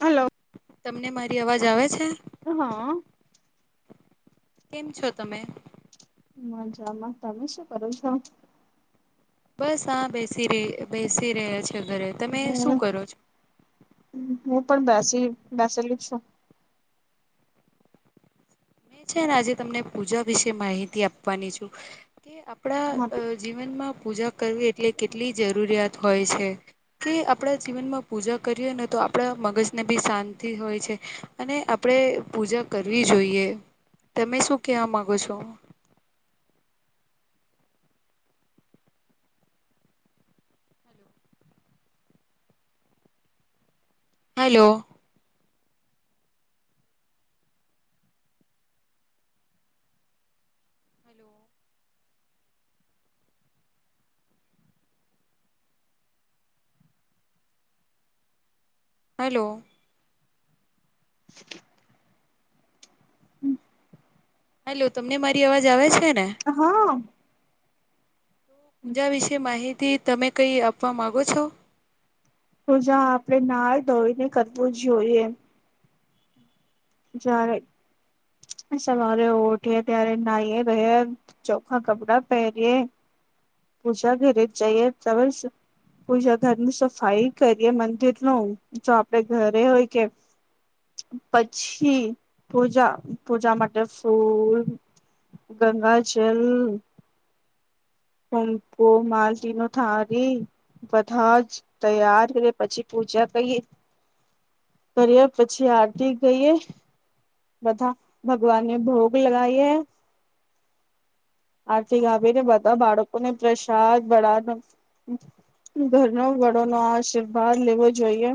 Hello તમને મારી અવાજ આવે છે ઓ હા કેમ છો તમે મજામાં તમે શું કરો છો બસ આ બેસી રહી બેસી રહ્યા છે ઘરે તમે હમ શું કરો છો હું પણ બેસી બેસેલી છું મેં છે ને આજે તમને પૂજા વિશે માહિતી આપવાની છું કે આપણા જીવનમાં પૂજા કરવી એટલે કેટલી જરૂરિયાત હોય છે કે આપણા જીવનમાં પૂજા કરીએ ને તો આપણા મગજને બી શાંતિ હોય છે અને આપણે પૂજા કરવી જોઈએ તમે શું કેવા માંગો છો હલો [inaudible] હલો હેલો તમને મારી અવાજ આવે છે ને હા પૂજા વિશે માહિતી તમે કઈ આપવા માંગો છો પૂજા આપડે નાઈ ધોઈને કરવું જોઈએ. જયારે સવારે ઊઠ્યે ત્યારે નાહીએ ધોઇએ ચોખા કપડા પહેરીએ પુજા ઘરી જઈએ ત પૂજા ઘરની સફાઈ કરીએ મંદિર નુ જો આપડે ઘરે હોય કે. પછી પૂજા પૂજા માટે ફૂલ. ગંગાચલ. હપ માલતીનો થારી. બધા જ તૈયાર કરે પછી પૂજા કરીઈએ. કરીએ પછી આરતી ગઈએ. બધા ભગવાનને ભોગ લગાવીએ. આર્થિક ગાવી ને બધા બાળકોને પ્રસાદ બળદ. ઘરનો વડો નો આશીર્વાદ લેવો જોઈએ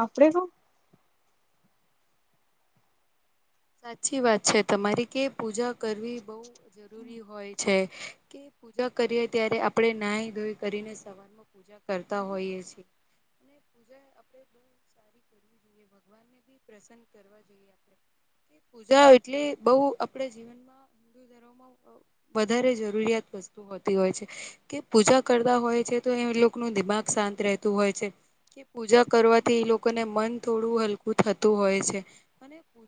આપડે ક. સાચી વાત છે તમારે કે પૂજા કરવી બહુ જરૂરી હોય છે કે. પૂજા કરીએ ત્યારે આપણે નાહી ધોઈ કરીને સવારે પૂજા કરતા હોઈએ છેીએ અને પૂજા આપણે બ. કર જોઈએ ભગવાન ને બી પ્રસન્ન કરવા જોઈએ. આપણે પૂજા એટલે બહુ આપડે જીવનમાં. હિન્દુ વધારે જરૂરિયાત વસ્તુ હોતી હોય છે. કે પૂજા કરતા હોય છે તો એ લોકો ન દિમાગ શાંત રહેતું હોય છે. પૂજા કરવાથી ઈ લોકોને મન થોડું હલકું થતું હોય છે.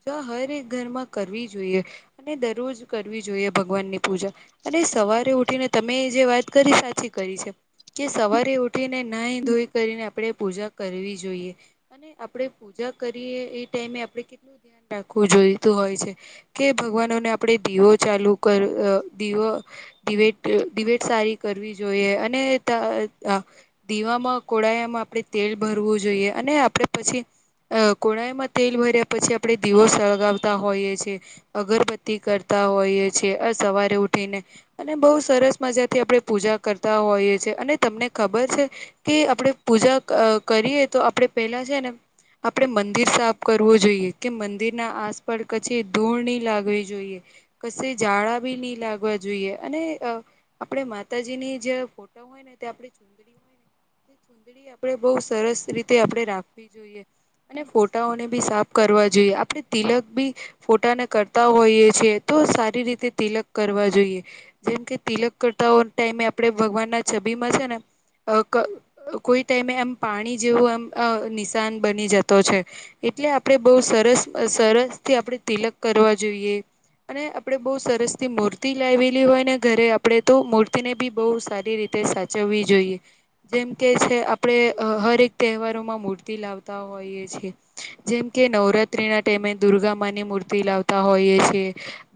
જો હરેક ઘરમાં કરવી જોઈએ અને દરરોજ કરવી જોઈએ ભગવાનની પૂજા. અને સવારે ઉઠીને તમે જે વાત કરી સાચી કરી છે. કે સવારે ઉઠીને નાહી ધોઈ કરીને આપણે પૂજા કરવી જોઈએ. અને આપણે પૂજા કરીએ એ ટાઈમે આપણે કેટલું ધ્યાન રાખવું જોઈતું હોય છે. કે ભગવાનોને આપણે દીવો ચાલુ કર દીવો. ડિબટ ડિબેટ સારી કરવી જોઈએ અને ત. દીવામાં કોળાયામાં આપણે તેલ ભરવું જોઈએ અને આપડે પછી. અ કોળાઈમાં તેલ ભર્યા પછી આપણે દીવો સળગાવતા હોઈએ છે. અગરબત્તી કરતા હોઈએ છેએ આ સવારે ઉઠીને. અને બહુ સરસ મજા થી આપણે પૂજા કરતા હોઈએ છેએ અને તમને ખબર છે. કે આપણેે પૂજા કરીએ તો આપડણે પેલા છે ને. આપણે મંદિર સાફ કરવું જોઈએ. કે મંદિરના આસપળ કછી ધૂળ નહી લાગવી જોઈએ. કશે જાળા બી નહી લાગવા જોઈએ અને આપણેે માતાજીની જે ફોટો. હોય ચુદડી આપણે બઉ સરસ રીતે આપણે રાખ. જોઈએ અને ફોટાઓને બી સાફ કરવા જોઈએ આપણે તિલક બી. ફોટાને કરતા હોઈએ છેએ તો સારી રીતે તિલક કરવા જોઈએ. જેમ કે તિલક કરતાઓ ટાઈમે આપે ભગવાન ના છબી માં છે ને. કોઈ ટાઈમે એમ પાણી જેવું એમ નિશાન બની જતો છે. એટલે આપણે બહુ સરસ સરસ થી આપણે તિલક કરવા જોઈએ. અને આપડે બહુ સરસ થી મૂર્તિ લાવેલી હોય ને ઘરે આપણેે તો મૂર્તિને બી બહુ સારી રીતે સાચ. ચવવી જોઈએ જેમ કે છે આપણે હરેક તહેવારોમાં મૂર્તિ લાવતા હોય. જેમકે નવરાત્રી ના ટાઈમે દુર્ગામાંની મૂર્તિ લાવતા હોઈએ છે.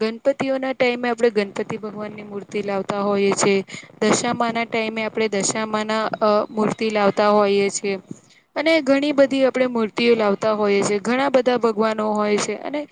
ગણપતિઓના ટાઈમે આપણે ગણપતિ ભગવાન ની મૂર્તિ લાવતા હોઈએ છેએ. દશામા ના ટાઈમે આપણે દશામા ના અ મૂર્તિ લાવતા હોઈએ છીએ. અને ઘણી બધી આપણે મૂર્તિઓ લાવતા હોઈએ છીએ. ઘણા બધા ભગવાનો હોય છે અને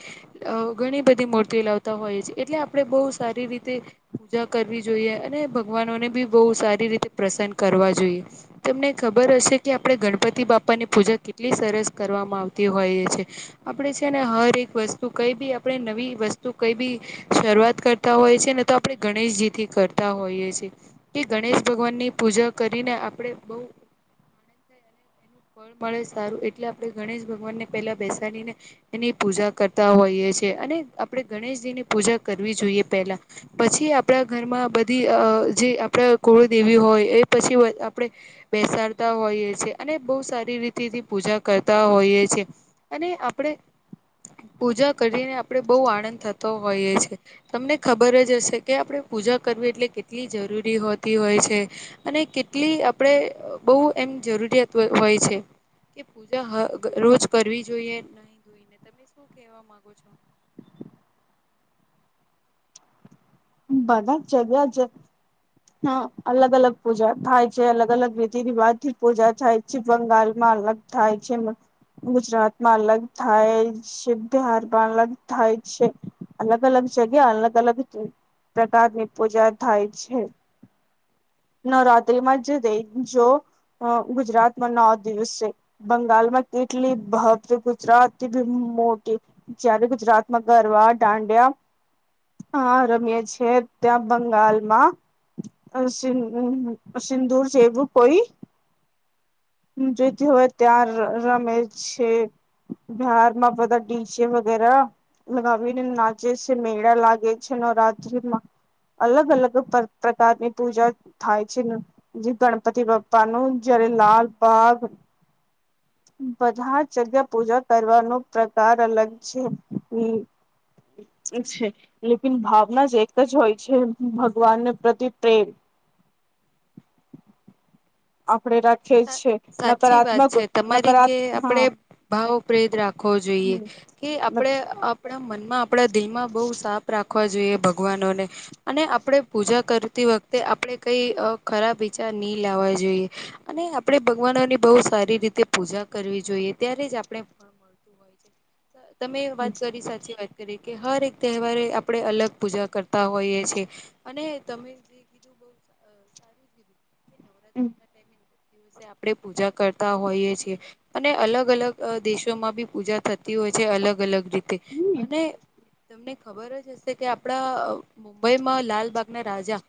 અ ઘણી બધી મૂર્તિઓ લાવતા હોઈએ છીએ એટલે આપણે બો સારી રીતે પૂજા કરવી જોઈએ અને ભગવાનોને બી બહુ સારી રીતે પ્રસન્ન કરવા જોઈએ. તમને ખબર હશે કે આપડણે ગણપતિ બાપાની પૂજા કેટલી સરસ કરવામાં આવતી હોઈએ છ છેએ. આપડે છે ને હર એક વસ્તુ કઈ બી આપણે નવી વસ્તુ કઈ બી. શરૂઆત કરતા હોય છે ને તો આપણે ગણેશજી થી કરતા હોઈએ છીએ. કે ગણેશ ભગવાન ની પૂજા કરીને આપડે બઉ. અને એનું ફળ મળે સારું એટલે આપણે ગણેશ ભગવાનને પેલા બેસાડીને એની પૂજા કરતા હોઈએ છીએ અને આપણે ગણેશજી ની પૂજા કરવી જોઈએ પહેલા. પછી આપણા ઘરમાં બધી અ જે આપણા કુળદેવી હોય એ પછી આપણે બેસાડતા હોઈએ છે અને બો સારી રીતે એની પૂજા કરતા હોઈએ છે. અને આપણે પૂજા કરીને આપણેે બો આનંદ થતો હોઈએ છે. તમને ખબર જ હશે કે આપણે પૂજા કરવી એટલે કેટલી જરૂરી હોતી હોય છે. અને કેટલી આપણેે બો એમ જરૂરિયાત હોય છે. કે પૂજા હ રોજ કરવી જોઈએ. નાય ધોઈને તમે શું કેવા માંગો છો? બધા ચલ્યા જ હા અલગ અલગ પૂજા થાય છે. અલગ અલગ રીતિ રિવાજ થી પૂજા થાય છે જેમ બંગાળમાં અલગ થાય છે ને. ગુજરાત માં અલગ થાય છે, બિહારમાં અલગ થાય છે. અલગ અલગ જગ્યા અલગ અલગ પ્રકારની પૂજા થાય છે. નવરાત્રી માં જ દઈજો ગુજરાતમાં નવ દિવસ છે. બંગાળમાં કેટલી ભવ્ય ગુજરાતી બી મોટી જયારે ગુજરાતમાં ગરબા, દાંડિયા હા રમીએ છીએ ત્યાં બંગાળમાં સિદુ સિંદુર જેવું કોઈ જુતી હોય ત્યાં રમે છે. બિહારમાં બધા ટીચ વગેરા લગાવીને નાચે છે. મેળા લાગે છે નવરાત્રિમાં અલગ અલગ પર પ્રકારની પૂજા થાય છે ને. જે ગણપતિ બાપા નું જયારે લાલબાગ બધા જગ્યા પૂજા કરવાનો પ્રકાર અલગ છે હમમ. છે. લેકિન ભાવના જ એક જ હોય છે ભગવાનને પ્રતિ પ્રેમ. આપણે રાખ અ સાચી વાત છે તમારી નકારાત્ કે હા આપણેે ભાવ પ્રેત રાખવો જોઈએ. કેટલું કે આપણે આપણા મનમાં આપણા દિલમાં બો સાફ રાખવા જોઈએ ભગવાનોને અને આપણે પૂજા કરતી વખતે આપણે કઈ અ ખરાબ વિચાર ની લાવવા જોઈએ. અને આપણે ભગવાનો ની બો સારી રીતે પૂજા કરવી જોઈએ ત્યારે જ આપણે થતું હોય છે. તમે વાત કરી સાચી વાત. તકે હર એક તહેવારે આપણે અલગ પૂજા કરતા હોઈએ છીએ અને તમે સારુ કીધું. કે હમમ. નવરાત્રીના ટાઈમે નવ દિવસે આપણે પૂજા કરતા હોઈએ છીએ. અને અલગ અલગ દેશોમાં બી પૂજા થતી હોય છે અલગ અલગ રીતે અને તમને ખબર જ હશે કે આપડા મુંબઈમાં લાલબાગના રાજા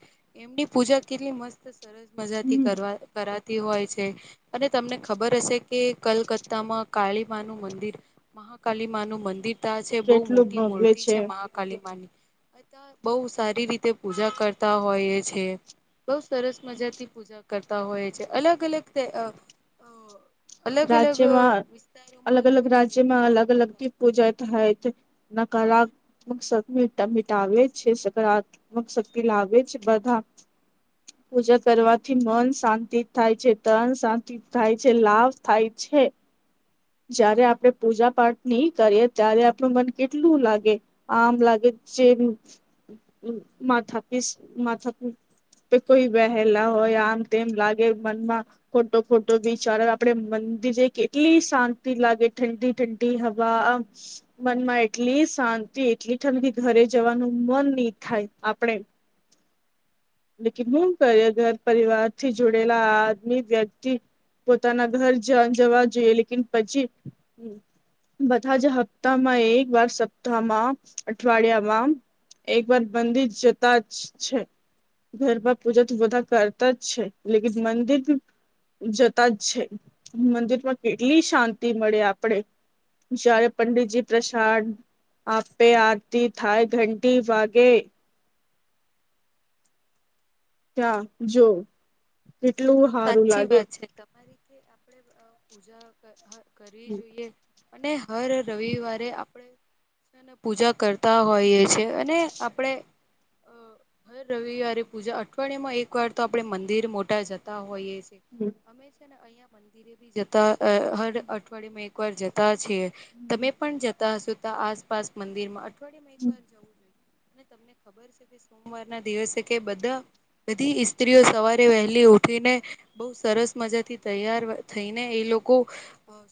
એમની પૂજા કેટલી મસ્ત સરસ મજાથી કરવા કરા તી હોય છે અને તમને ખબર હશે કે કલકત્તામાં કાળીમા નું મંદિર મહાકાલી મા નું મંદિર ત્યાં છે બો મોટી મૂર્તિ છે મહાકાલી મા ની તા બો સારી રીતે પૂજા કરતા હોય છે. બો સરસ મજાથી પૂજા કરતા હોય છે અલગ અલગ તહે અ અલગ અલગ રાજ્યમાં વિસ્તારોમાં, અલગ અલગ રીતે રાજ્યમાં પૂજા અલગ કરતા અલગથી હોય. પૂજા થી હોય તો નકારા મીટાવે છે, સકારાત્મક શક્તિ લાવે છે. બધા પૂજા કરવાથી મન શાંતિ થાય છે. તન શાંતિ થાય છે લાભ થાય છે. જયારે આપણેે પૂજા પાઠ નહી કરીએ ત્યારે આપણું મન કેટલું લાગે. આમ લાગે જે માથા પીસ માથા પી. કોઈ વહેલા હોય આમ તેમ લાગે મનમાં ખોટો ખોટો વિચાર આપડે મંદિર જે કેટલી શાંતિ. શાંતિ લાગે ઠંડી ઠંડી હવા મનમાં એટલી શાંતિ એટલી ઠંડી ઘરે જવાનું મન નહી થાય આપણેે [unintelligible] લ હું કરી ઘર પરિવાર થી જોડેલા આદમી વ્યક્તિ પોતાના ઘર જ જવા જોઈએ લેકિન પછી બધા જ હપ્તામાં એક વાર સપ્તાહમાં અઠવાડિયામાં એક વાર મંદિર જતા જ છે. ઘરબા પૂજા તો બધા કરતા જ છે લેકિન મંદિર. જતા જ છે મંદિરમાં કેટલી શાંતિ મળે આપડે. જારે પંડિતજી પ્રસાદ આપે આરતી થાય ઘંટી વાગે. ત્યાં જો કેટલું હારું લાગે. મારીીતે આપણેે પૂ [inaudible] જા કરવી જોઈએ અને હર રવિવારે આપણેને પૂજા કરતા હોઈએ છે. અને આપડે. અ હર રવિવારે પૂજા અઠવાડિયામાં એક વાર તો આપણેે મંદિર મોટા જતા હોઈએ છે. હમ. જતા અ હર અઠવાડિયામાં એકવાર જતા. જતાં છે તમે પણ જતા હશો ત આસપાસ મંદિર માં અઠવાડિયામાં એકવાર જવું જોઈએ. અને તમને ખબર છે કે સોમવાર ના દિવસે કે બધા બધી સ્ત્રીઓ સવારે વહેલી ઉઠ. ઉઠીને બહુ સરસ મજા થી તૈયાર થઈને એ લોકો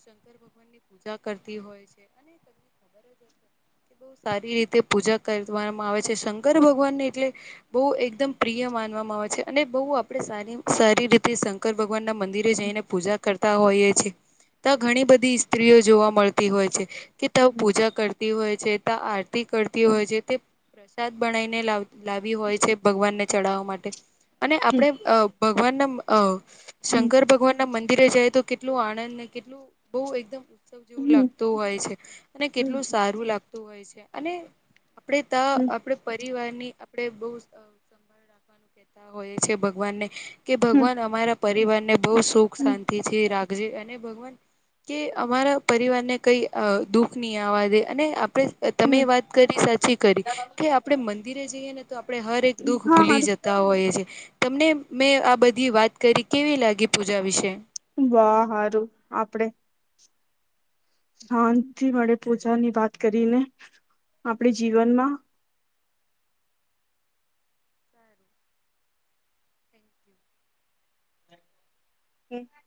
શંકર ભગવાન ની પૂજા [inaudible] કરતી હોય છે અને તમને ખબર જ હશે બહુ સારી રીતે પૂજા કરવામાં આવે છે શંકર ભગવાન ને એટલે બહુ એકદમ પ્રિય માનવામાં આવે છે અને બહુ આપડે સારી સારી રીતે શંકર ભગવાન ના મંદિરે જઈને પૂજા કરતા હોઈ છે. ત ઘણી બધી સ્ત્રીઓ જોવા મળતી હોય છે કે ત પૂજા કરતી હોય છે ત આતી આરતી કરતી હોય છે તે પ્રસાદ બનાઈને લાવ લાવી હોય છે ભગવાનને ચડાવા માટે અને આપણે અ ભગવાન ના અ શંકર ભગવાન મંદિરે જાય તો કેટલું આળદ ને કેટલું બહુ એકદમ જેવું લાગતું હોય છે અને કેટલું સારું લાગતું હોય છે અને આપણેે ત આપણે પરિવાર ની આપણે બહુ સંભાળ રાખવાનું કેતા હોય છે ભગવાનને કે ભગવાન અમારા પરિવાર ને બહુ સુખ શાંતિ થી રાખે જે અને ભગવાન કે અમારા પરિવાર ને કઈ અ દુઃખ નહી આવા દે અને આપણે તમે વાત કરી સાચી કરી કે આપણે મંદિરે જઈએ. આપણે હર એક દુઃખ હા ભૂલી હારું જતા હોઈએ છે તમને મે. બધી વાત કરી કેવી લાગી પૂજા વિશે. વાહ હારું આપડે. શાંતિ મળે પૂજા ની વાત કરીને આપડે જીવનમાં સારું થેન્ક યુ ઓકે ન.